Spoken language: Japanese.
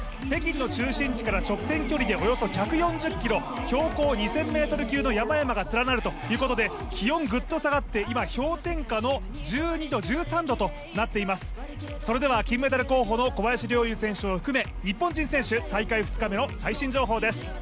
北京の中心地から直線距離でおよそ１４０ｋｍ、標高２０００ｍ級の山々が連なるということで、気温ぐっと下がって、今、氷点下の１２度、１３度となっていまするそれでは、金メダル候補の小林陵侑選手を含め、日本人選手大会２日目の最新情報です。